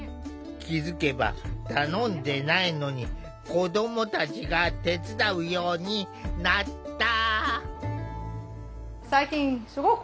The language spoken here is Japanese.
気付けば頼んでないのに子どもたちが手伝うようになった。